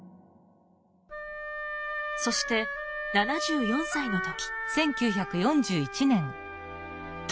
そして７４歳の時。